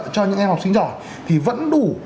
cho những em học sinh giỏi thì vẫn đủ